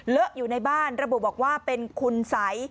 เลอะอยู่ในบ้านระบุบอกว่าเป็นคุณสัย